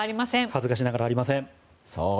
恥ずかしながらありません！